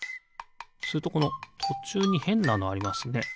それとこのとちゅうにへんなのありますね。